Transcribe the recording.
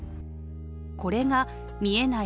これが見えない